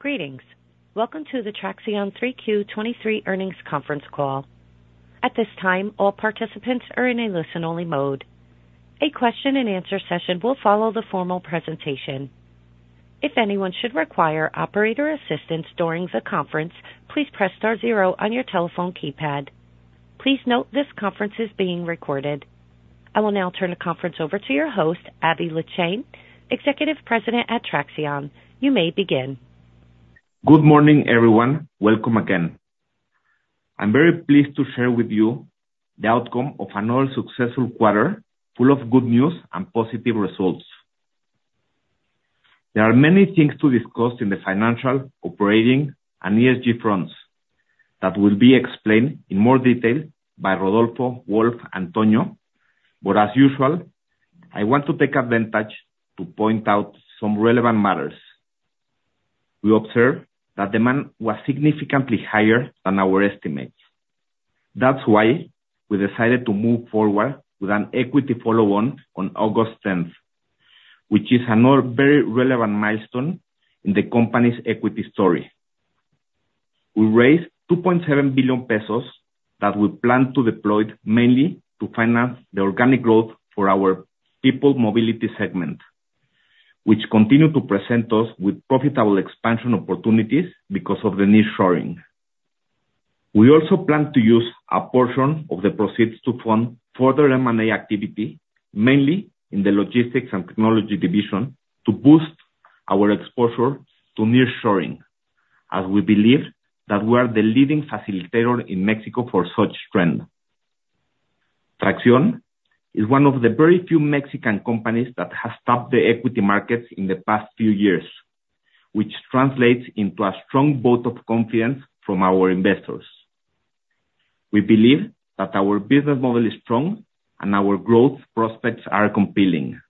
Greetings. Welcome to the Traxion 3Q 2023 earnings conference call. At this time, all participants are in a listen-only mode. A question and answer session will follow the formal presentation. If anyone should require operator assistance during the conference, please press star zero on your telephone keypad. Please note, this conference is being recorded. I will now turn the conference over to your host, Aby Lijtszain, Executive President at Traxion. You may begin. Good morning, everyone. Welcome again. I'm very pleased to share with you the outcome of another successful quarter, full of good news and positive results. There are many things to discuss in the financial, operating, and ESG fronts that will be explained in more detail by Rodolfo, Wolf, Antonio. But as usual, I want to take advantage to point out some relevant matters. We observed that demand was significantly higher than our estimates. That's why we decided to move forward with an equity follow-on on August tenth, which is another very relevant milestone in the company's equity story. We raised 2.7 billion pesos, that we plan to deploy mainly to finance the organic growth for our People Mobility segment, which continue to present us with profitable expansion opportunities because of the nearshoring. We also plan to use a portion of the proceeds to fund further M&A activity, mainly in the logistics and technology division, to boost our exposure to nearshoring, as we believe that we are the leading facilitator in Mexico for such trend. Traxion is one of the very few Mexican companies that has tapped the equity markets in the past few years, which translates into a strong vote of confidence from our investors. We believe that our business model is strong and our growth prospects are compelling.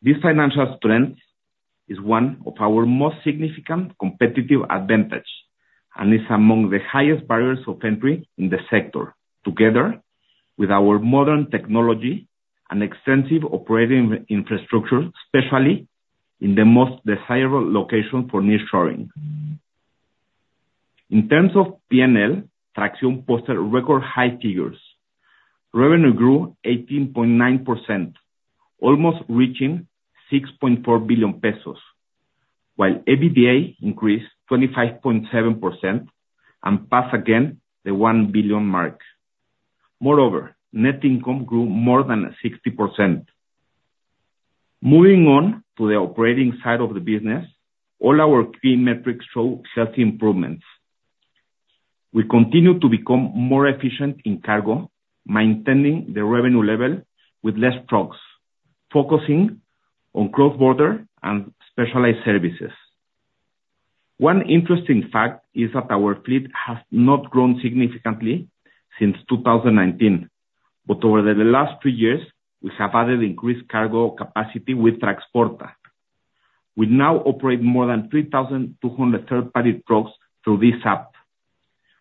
This financial strength is one of our most significant competitive advantage, and is among the highest barriers of entry in the sector, together with our modern technology and extensive operating infrastructure, especially in the most desirable location for nearshoring. In terms of PNL, Traxion posted record high figures. Revenue grew 18.9%, almost reaching 6.4 billion pesos, while EBITDA increased 25.7% and passed 1 billion again. Moreover, net income grew more than 60%. Moving on to the operating side of the business, all our key metrics show healthy improvements. We continue to become more efficient in cargo, maintaining the revenue level with less trucks, focusing on cross-border and specialized services. One interesting fact is that our fleet has not grown significantly since 2019, but over the last two years, we have added increased cargo capacity with Traxporta. We now operate more than 3,200 third-party trucks through this app.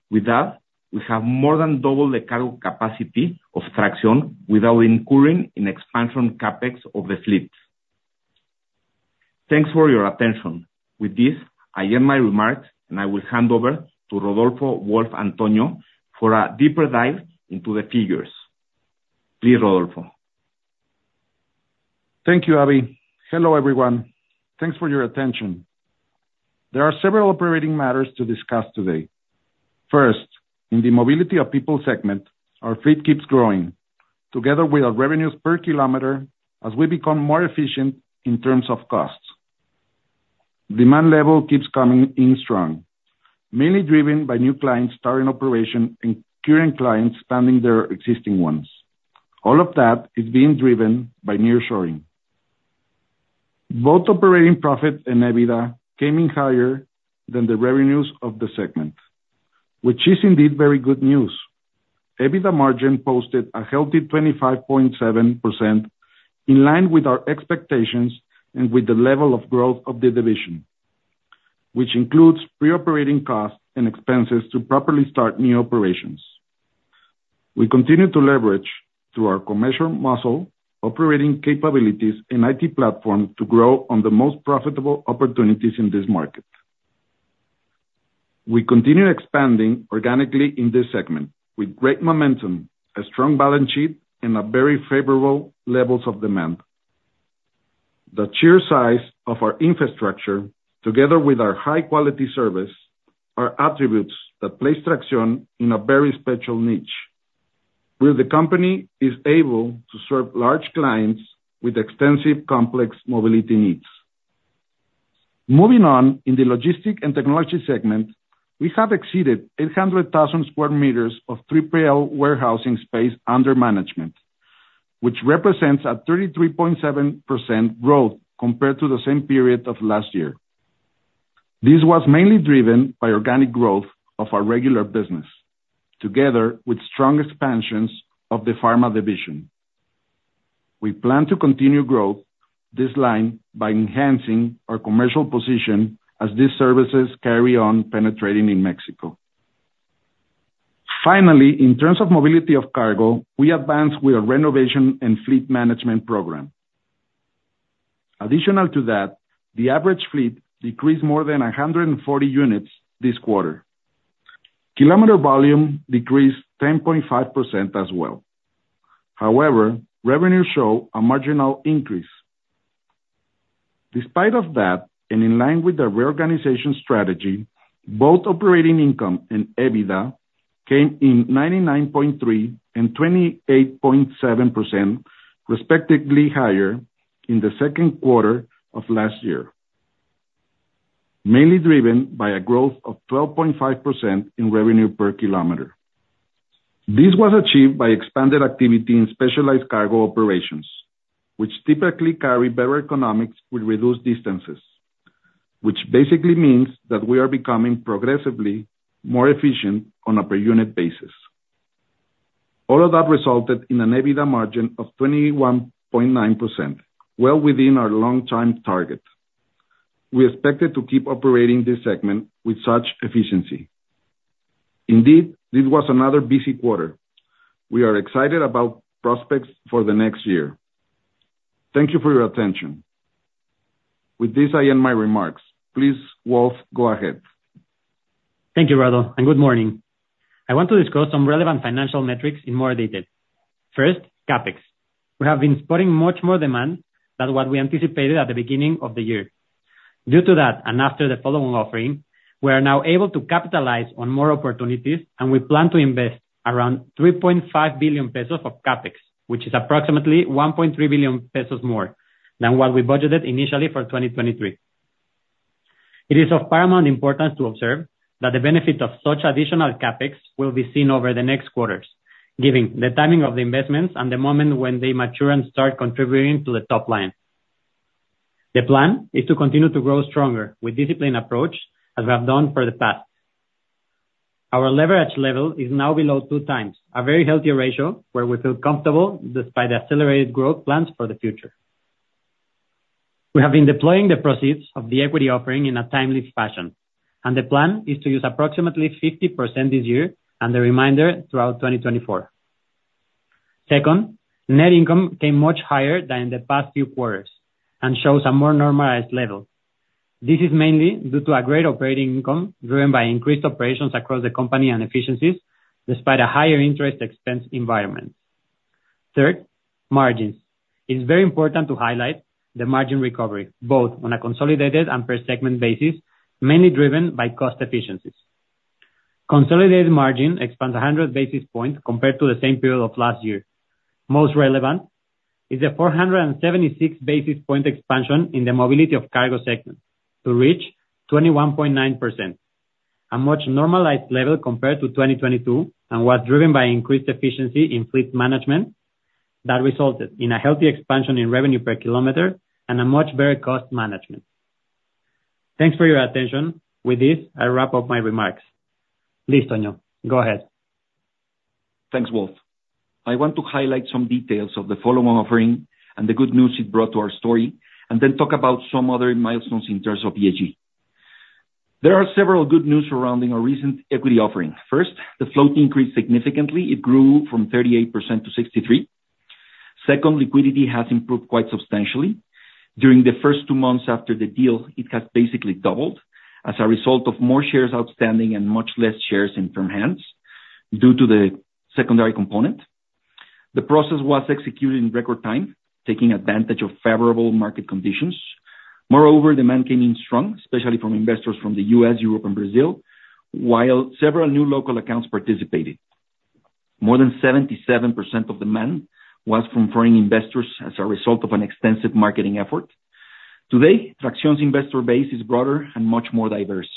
With that, we have more than double the cargo capacity of Traxion without incurring an expansion CapEx of the fleet. Thanks for your attention. With this, I end my remarks, and I will hand over to Rodolfo, Wolf, Antonio, for a deeper dive into the figures. Please, Rodolfo. Thank you, Aby. Hello, everyone. Thanks for your attention. There are several operating matters to discuss today. First, in the mobility of people segment, our fleet keeps growing, together with our revenues per kilometer, as we become more efficient in terms of costs. Demand level keeps coming in strong, mainly driven by new clients starting operation and current clients expanding their existing ones. All of that is being driven by nearshoring. Both operating profit and EBITDA came in higher than the revenues of the segment, which is indeed very good news. EBITDA margin posted a healthy 25.7%, in line with our expectations and with the level of growth of the division, which includes pre-operating costs and expenses to properly start new operations. We continue to leverage, through our commercial muscle, operating capabilities, and IT platform, to grow on the most profitable opportunities in this market. We continue expanding organically in this segment with great momentum, a strong balance sheet, and a very favorable levels of demand. The sheer size of our infrastructure, together with our high-quality service, are attributes that place Traxion in a very special niche, where the company is able to serve large clients with extensive, complex mobility needs. Moving on, in the logistics and technology segment, we have exceeded 800,000 square meters of 3PL warehousing space under management, which represents a 33.7% growth compared to the same period of last year. This was mainly driven by organic growth of our regular business, together with strong expansions of the pharma division. We plan to continue growth this line by enhancing our commercial position as these services carry on penetrating in Mexico.... Finally, in terms of mobility of cargo, we advanced with our renovation and fleet management program. addition to that, the average fleet decreased more than 140 units this quarter. Kilometer volume decreased 10.5% as well. However, revenue show a marginal increase. Despite of that, and in line with the reorganization strategy, both operating income and EBITDA came in 99.3% and 28.7%, respectively, higher in the second quarter of last year, mainly driven by a growth of 12.5% in revenue per kilometer. This was achieved by expanded activity in specialized cargo operations, which typically carry better economics with reduced distances, which basically means that we are becoming progressively more efficient on a per unit basis. All of that resulted in an EBITDA margin of 21.9%, well within our long-time target. We expected to keep operating this segment with such efficiency. Indeed, this was another busy quarter. We are excited about prospects for the next year. Thank you for your attention. With this, I end my remarks. Please, Wolf, go ahead. Thank you, Rodolfo, and good morning. I want to discuss some relevant financial metrics in more detail. First, CapEx. We have been spotting much more demand than what we anticipated at the beginning of the year. Due to that, and after the follow-on offering, we are now able to capitalize on more opportunities, and we plan to invest around 3.5 billion pesos of CapEx, which is approximately 1.3 billion pesos more than what we budgeted initially for 2023. It is of paramount importance to observe that the benefit of such additional CapEx will be seen over the next quarters, given the timing of the investments and the moment when they mature and start contributing to the top line. The plan is to continue to grow stronger with a disciplined approach, as we have done for the past. Our leverage level is now below 2x, a very healthy ratio, where we feel comfortable despite the accelerated growth plans for the future. We have been deploying the proceeds of the equity offering in a timely fashion, and the plan is to use approximately 50% this year and the remainder throughout 2024. Second, net income came much higher than the past few quarters and shows a more normalized level. This is mainly due to a great operating income, driven by increased operations across the company and efficiencies, despite a higher interest expense environment. Third, margins. It's very important to highlight the margin recovery, both on a consolidated and per segment basis, mainly driven by cost efficiencies. Consolidated margin expands 100 basis points compared to the same period of last year. Most relevant is the 476 basis point expansion in the mobility of cargo segment to reach 21.9%, a much normalized level compared to 2022, and was driven by increased efficiency in fleet management that resulted in a healthy expansion in revenue per kilometer and a much better cost management. Thanks for your attention. With this, I wrap up my remarks. Please, Tonio, go ahead. Thanks, Wolf. I want to highlight some details of the follow-on offering and the good news it brought to our story, and then talk about some other milestones in terms of ESG. There are several good news surrounding our recent equity offering. First, the float increased significantly. It grew from 38% to 63%. Second, liquidity has improved quite substantially. During the first 2 months after the deal, it has basically doubled as a result of more shares outstanding and much less shares in firm hands due to the secondary component. The process was executed in record time, taking advantage of favorable market conditions. Moreover, demand came in strong, especially from investors from the U.S., Europe, and Brazil, while several new local accounts participated. More than 77% of demand was from foreign investors as a result of an extensive marketing effort. Today, Traxion's investor base is broader and much more diverse.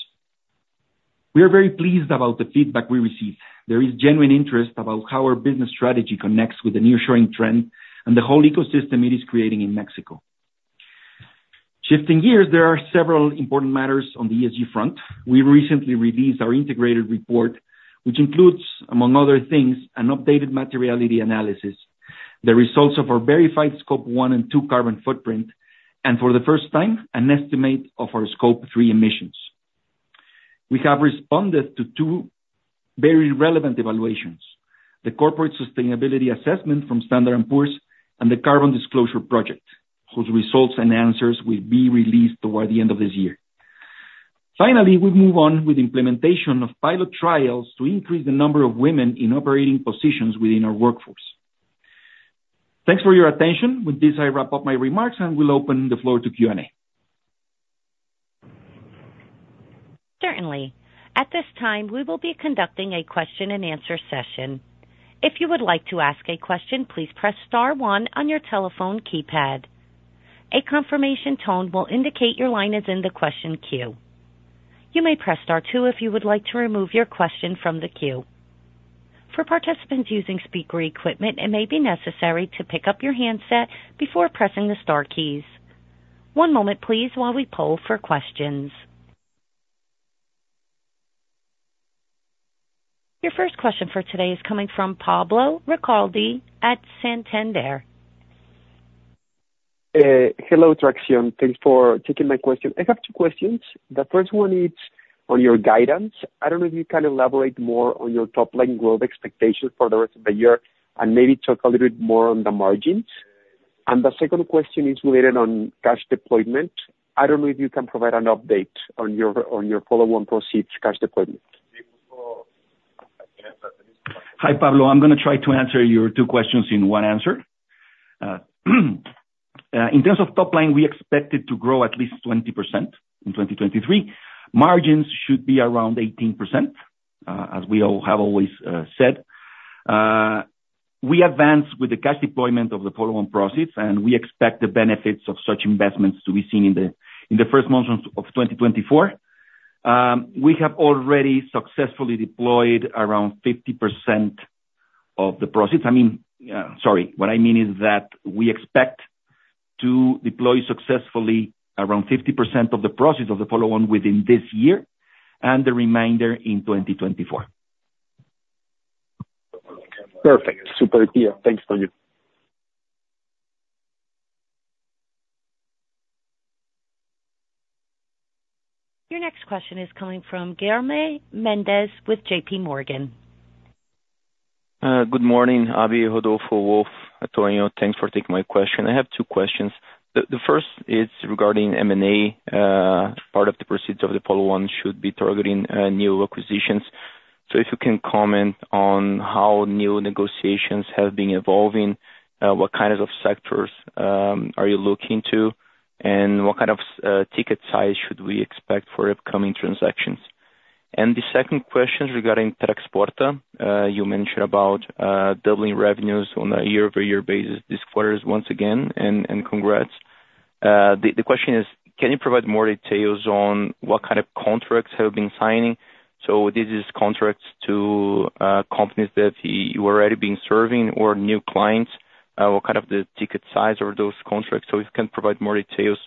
We are very pleased about the feedback we received. There is genuine interest about how our business strategy connects with the nearshoring trend and the whole ecosystem it is creating in Mexico. Shifting gears, there are several important matters on the ESG front. We recently released our integrated report, which includes, among other things, an updated materiality analysis, the results of our verified Scope 1 and 2 carbon footprint, and for the first time, an estimate of our Scope 3 emissions. We have responded to two very relevant evaluations: the Corporate Sustainability Assessment from Standard & Poor's and the Carbon Disclosure Project, whose results and answers will be released toward the end of this year. Finally, we move on with implementation of pilot trials to increase the number of women in operating positions within our workforce. Thanks for your attention. With this, I wrap up my remarks, and we'll open the floor to Q&A. Certainly. At this time, we will be conducting a question-and-answer session. If you would like to ask a question, please press star one on your telephone keypad. A confirmation tone will indicate your line is in the question queue. You may press star two if you would like to remove your question from the queue. For participants using speaker equipment, it may be necessary to pick up your handset before pressing the star keys. One moment, please, while we poll for questions. Your first question for today is coming from Pablo Recalde at Santander.... Hello, Traxion. Thanks for taking my question. I have two questions. The first one is on your guidance. I don't know if you can elaborate more on your top line growth expectations for the rest of the year, and maybe talk a little bit more on the margins? And the second question is related on cash deployment. I don't know if you can provide an update on your follow-on proceeds cash deployment? Hi, Pablo, I'm gonna try to answer your two questions in one answer. In terms of top line, we expected to grow at least 20% in 2023. Margins should be around 18%, as we all have always said. We advanced with the cash deployment of the follow-on process, and we expect the benefits of such investments to be seen in the first months of 2024. We have already successfully deployed around 50% of the proceeds. I mean, what I mean is that we expect to deploy successfully around 50% of the proceeds of the follow-on within this year, and the remainder in 2024. Perfect. Super clear. Thanks, Tonio. Your next question is coming from Guilherme Mendes with J.P. Morgan. Good morning, Aby, Rodolfo, Wolf, Antonio. Thanks for taking my question. I have two questions. The first is regarding M&A. Part of the proceeds of the follow-on should be targeting new acquisitions. So if you can comment on how new negotiations have been evolving, what kinds of sectors are you looking to? And what kind of ticket size should we expect for upcoming transactions? And the second question regarding Traxporta. You mentioned about doubling revenues on a year-over-year basis this quarter once again, and congrats. The question is, can you provide more details on what kind of contracts you have been signing? So this is contracts to companies that you already been serving or new clients, what kind of the ticket size are those contracts? If you can provide more details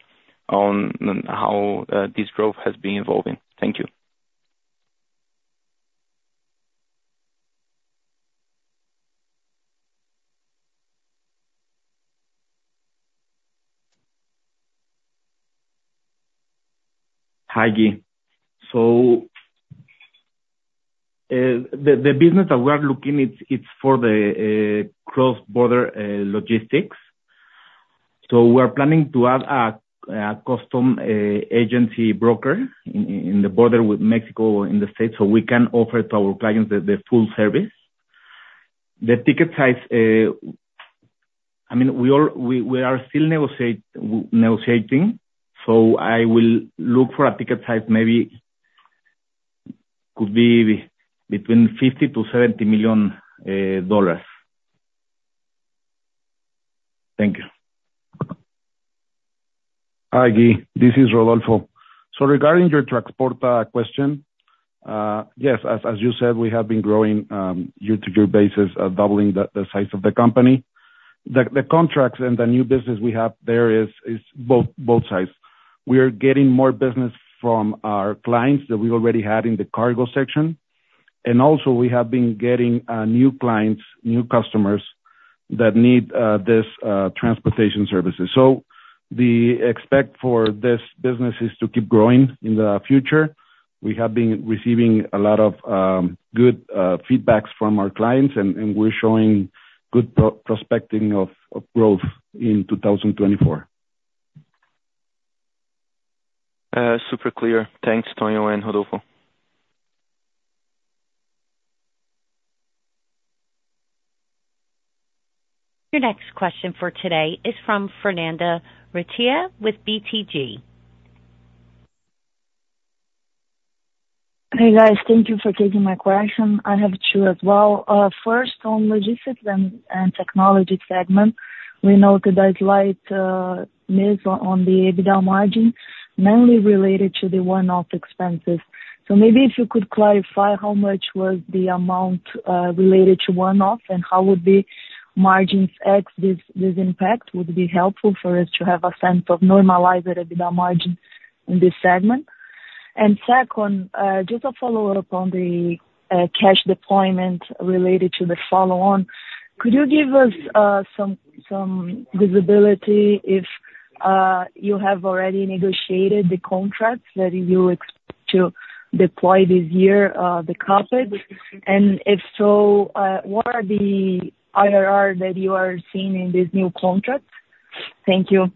on how this growth has been evolving. Thank you. Hi, Gui. So, the business that we are looking, it's for the cross-border logistics. So we are planning to add a customs agency broker on the border with Mexico in the States, so we can offer to our clients the full service. The ticket size, I mean, we are still negotiating, so I will look for a ticket size maybe could be between $50-$70 million. Thank you. Hi, Gui, this is Rodolfo. So regarding your Traxporta question, yes, as you said, we have been growing year-to-year basis, doubling the size of the company. The contracts and the new business we have there is both sides. We are getting more business from our clients that we already had in the cargo section, and also we have been getting new clients, new customers, that need this transportation services. So the expectation for this business is to keep growing in the future. We have been receiving a lot of good feedback from our clients and we're showing good prospects of growth in 2024. Super clear. Thanks, Tonio and Rodolfo. Your next question for today is from Fernanda Recchia with BTG. Hey, guys. Thank you for taking my question. I have two as well. First, on Logistics and Technology segment, we noted a slight miss on the EBITDA margin, mainly related to the one-off expenses. So maybe if you could clarify how much was the amount related to one-off, and how would the margins ex this impact would be helpful for us to have a sense of normalized EBITDA margin in this segment. Second, just a follow-up on the cash deployment related to the follow-on. Could you give us some visibility if you have already negotiated the contracts that you expect to deploy this year, the CapEx? And if so, what are the IRR that you are seeing in these new contracts? Thank you.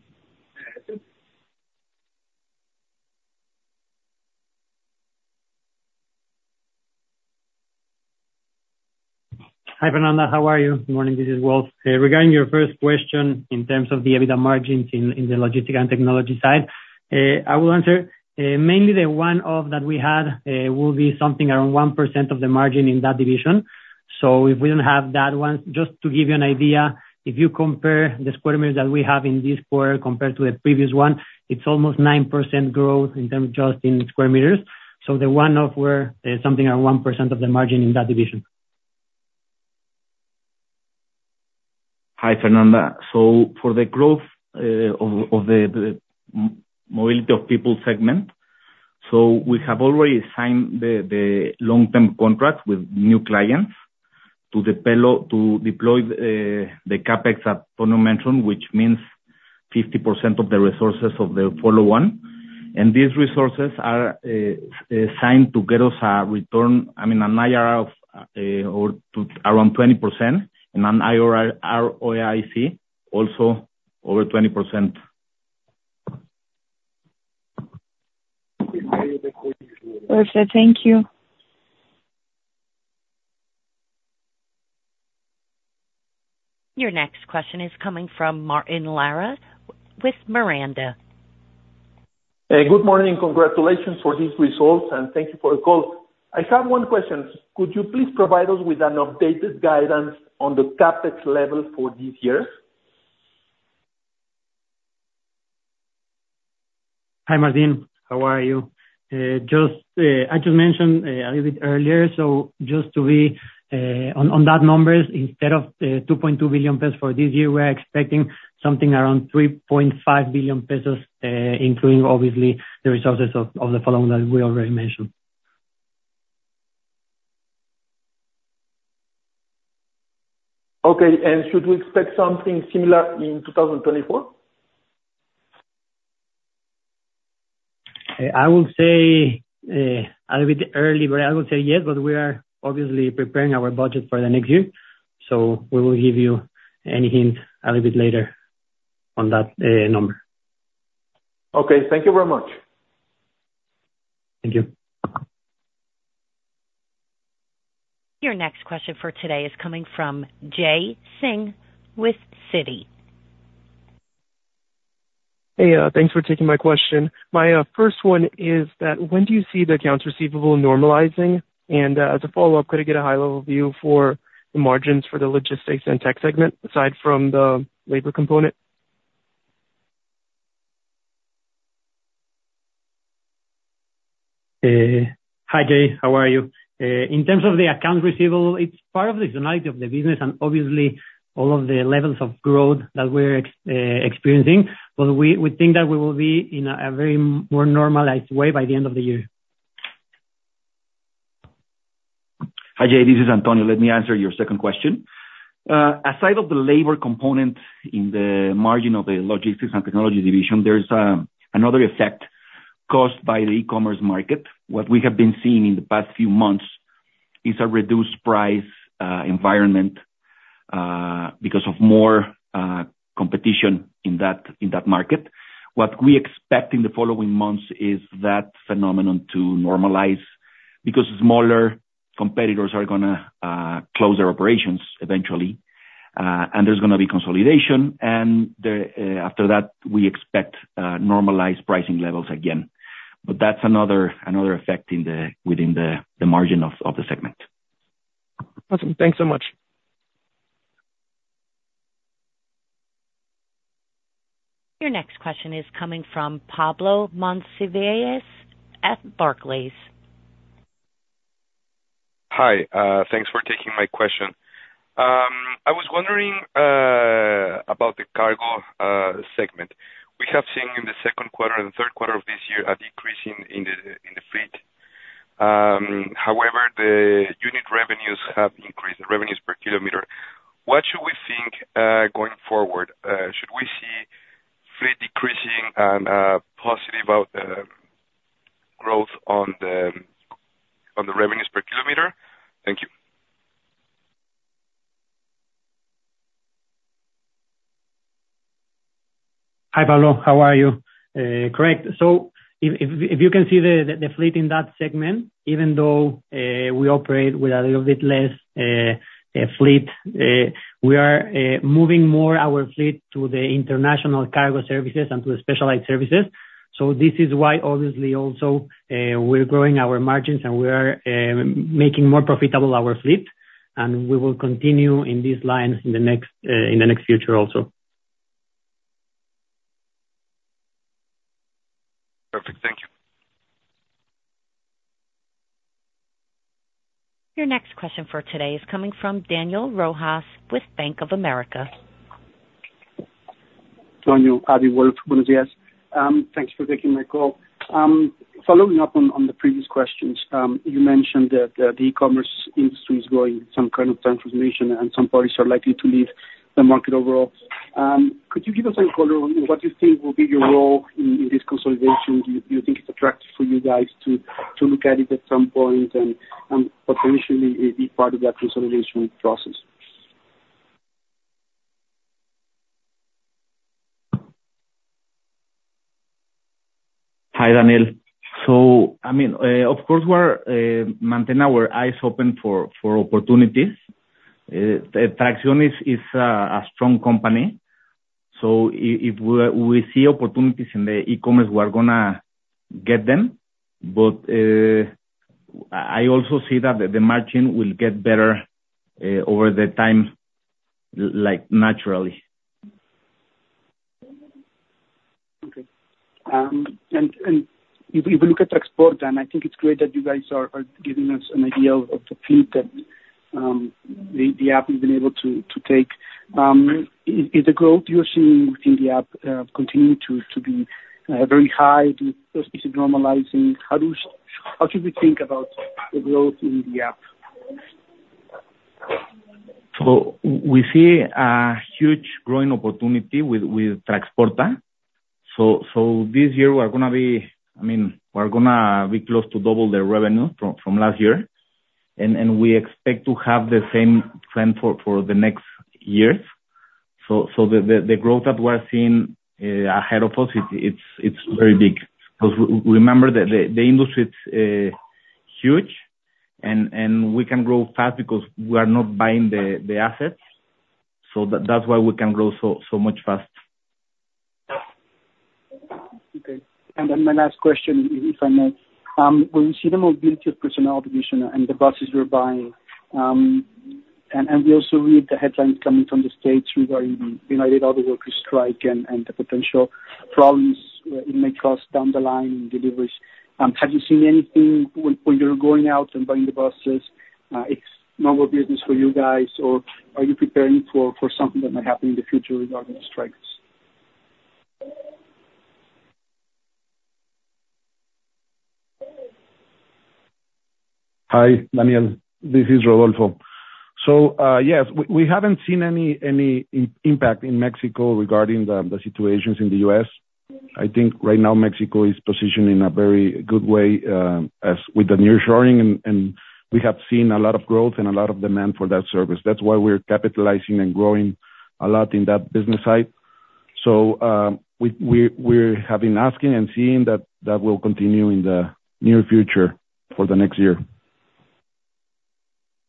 Hi, Fernanda, how are you? Good morning, this is Wolf. Regarding your first question, in terms of the EBITDA margins in the Logistics and Technology side, I will answer. Mainly the one-off that we had will be something around 1% of the margin in that division. So if we don't have that one... Just to give you an idea, if you compare the square meters that we have in this quarter compared to the previous one, it's almost 9% growth in terms of just in square meters. So the one-off were something around 1% of the margin in that division. Hi, Fernanda. So for the growth of the mobility of people segment-... We have already signed the long-term contract with new clients to deploy the CapEx, which means 50% of the resources of the follow-on, and these resources are signed to get us a return, I mean, an IRR of around 20% and an ROIC also over 20%. Perfect. Thank you. Your next question is coming from Martin Lara with Miranda. Good morning, congratulations for these results, and thank you for the call. I have one question: Could you please provide us with an updated guidance on the CapEx level for this year? Hi, Martin. How are you? Just, I just mentioned a little bit earlier, so just to be on that numbers, instead of 2.2 billion pesos for this year, we are expecting something around 3.5 billion pesos, including obviously the resources of the follow-on that we already mentioned. Okay. Should we expect something similar in 2024? I would say, a little bit early, but I would say yes, but we are obviously preparing our budget for the next year, so we will give you any hint a little bit later on that, number. Okay. Thank you very much. Thank you. Your next question for today is coming from Jay Singh with Citi. Hey, thanks for taking my question. My first one is that when do you see the accounts receivable normalizing? And, as a follow-up, could I get a high-level view for the margins for the logistics and tech segment, aside from the labor component? Hi, Jay. How are you? In terms of the account receivable, it's part of the seasonality of the business and obviously all of the levels of growth that we're experiencing, but we think that we will be in a very more normalized way by the end of the year. Hi, Jay, this is Antonio. Let me answer your second question. Aside of the labor component in the margin of the logistics and technology division, there's another effect caused by the e-commerce market. What we have been seeing in the past few months is a reduced price environment because of more competition in that, in that market. What we expect in the following months is that phenomenon to normalize, because smaller competitors are gonna close their operations eventually, and there's gonna be consolidation, and the after that, we expect normalized pricing levels again. But that's another, another effect in the within the the margin of of the segment. Awesome. Thanks so much. Your next question is coming from Pablo Monsivais at Barclays. Hi, thanks for taking my question. I was wondering about the cargo segment. We have seen in the second quarter and the third quarter of this year a decrease in the fleet. However, the unit revenues have increased, the revenues per kilometer. What should we think going forward? Should we see fleet decreasing and positive growth on the revenues per kilometer? Thank you. Hi, Pablo. How are you? Correct. So if you can see the fleet in that segment, even though we operate with a little bit less fleet, we are moving more our fleet to the international cargo services and to the specialized services. So this is why obviously also we're growing our margins, and we are making more profitable our fleet, and we will continue in these lines in the next future also. Perfect. Thank you. Your next question for today is coming from Daniel Rojas with Bank of America. Antonio, hi, buenos días. Thanks for taking my call. Following up on, on the previous questions, you mentioned that, the e-commerce industry is going some kind of transformation, and some parties are likely to leave the market overall. Could you give us some color on what you think will be your role in, in this consolidation? Do you, do you think it's attractive for you guys to, to look at it at some point and, potentially, be part of that consolidation process? Hi, Daniel. So, I mean, of course, we're maintain our eyes open for, for opportunities. Traxion is a strong company, so if we see opportunities in the e-commerce, we're gonna get them. But, I also see that the margin will get better over the time, like, naturally. Okay. And if we look at transport, and I think it's great that you guys are giving us an idea of the fleet and the app you've been able to take. Is the growth you're seeing in the app continue to be very high? Do you see it normalizing? How should we think about the growth in the app? So we see a huge growing opportunity with Traxporta. So this year we're gonna be... I mean, we're gonna be close to double the revenue from last year. And we expect to have the same trend for the next years. So the growth that we're seeing ahead of us, it's very big. Because remember that the industry is huge, and we can grow fast because we are not buying the assets. So that's why we can grow so much fast. Okay. My last question, if I may. When you see the mobility of personnel division and the buses you're buying, and we also read the headlines coming from the States regarding the United Auto Workers strike and the potential problems it may cause down the line in deliveries. Have you seen anything when you're going out and buying the buses? It's normal business for you guys, or are you preparing for something that might happen in the future regarding the strikes? Hi, Daniel. This is Rodolfo. So, yes, we haven't seen any impact in Mexico regarding the situations in the US. I think right now Mexico is positioned in a very good way, as with the nearshoring, and we have seen a lot of growth and a lot of demand for that service. That's why we're capitalizing and growing a lot in that business side. So, we have been asking and seeing that that will continue in the near future for the next year.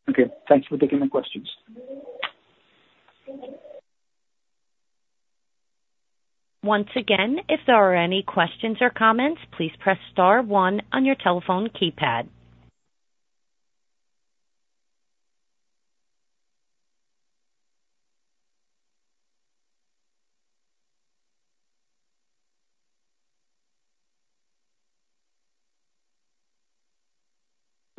Okay, thanks for taking my questions. Once again, if there are any questions or comments, please press star one on your telephone keypad.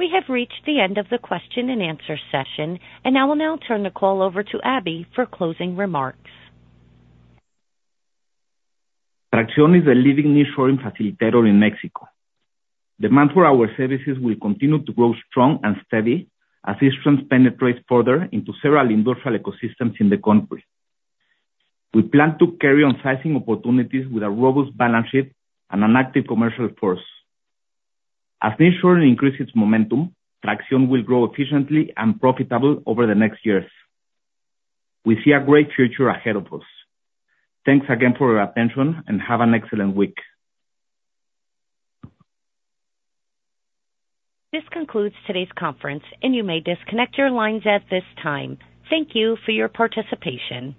We have reached the end of the question and answer session, and I will now turn the call over to Aby for closing remarks. Traxion is a leading nearshoring facilitator in Mexico. Demand for our services will continue to grow strong and steady as this trend penetrates further into several industrial ecosystems in the country. We plan to carry on sizing opportunities with a robust balance sheet and an active commercial force. As nearshoring increases momentum, Traxion will grow efficiently and profitable over the next years. We see a great future ahead of us. Thanks again for your attention, and have an excellent week. This concludes today's conference, and you may disconnect your lines at this time. Thank you for your participation.